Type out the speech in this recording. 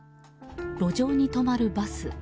路上に止まるバス。